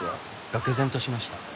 がくぜんとしました。